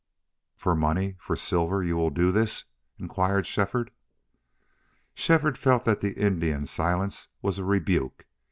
"For money for silver you will do this?" inquired Shefford. Shefford felt that the Indian's silence was a rebuke.